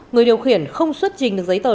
người điều khiển không xuất trình được giấy tờ